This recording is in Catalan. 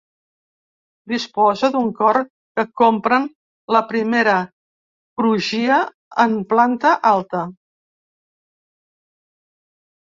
Disposa d'un cor que compren la primera crugia en planta alta.